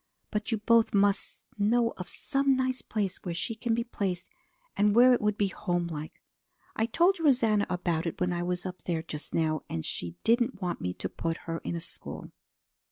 But you both must know of some nice place where she can be placed and where it would be homelike. I told Rosanna about it when I was up there just now, and she didn't want me to put her in a school.